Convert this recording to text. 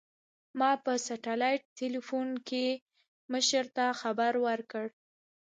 ما په سټلايټ ټېلفون کښې مشر ته خبر ورکړ.